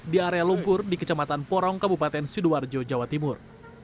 di area lumpur di kecamatan porong kabupaten sidoarjo jawa timur